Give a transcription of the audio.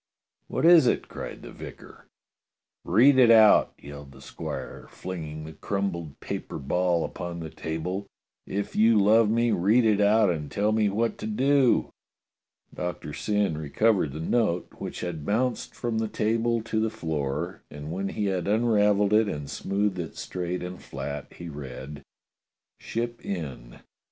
"What is it ?" cried the vicar. "Read it out!" yelled the squire, flinging the crum pled paper ball upon the table. "If you love me, read it out and tell me what to do." Doctor Syn recovered the note, which had bounced from the table to the floor, and when he had unravelled it and smoothed it straight and flat, he read : "Ship Inn.